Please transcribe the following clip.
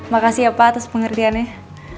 makasih ya pak atas pengertiannya